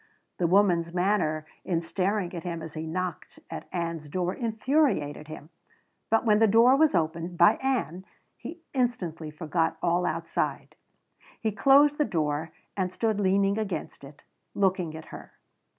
The woman's manner in staring at him as he knocked at Ann's door infuriated him. But when the door was opened by Ann he instantly forgot all outside. He closed the door and stood leaning against it, looking at her.